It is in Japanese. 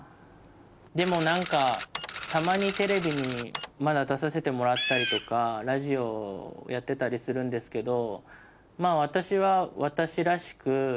でも何かたまにテレビにまだ出させてもらったりとかラジオやってたりするんですけど。